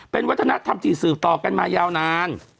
เป็นวัฒนธรรมที่สืบต่อกันมายาวนาน